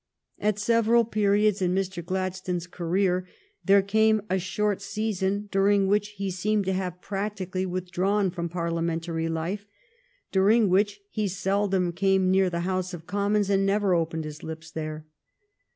At several periods in Mr. Gladstone's career there came a short season during which he seemed to have practically with drawn from Parliamentary life; during which he seldom came near the House of Commons, and never opened his lips there.